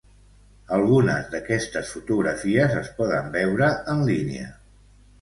Algunes d'aquestes fotografies es poden veure en línia.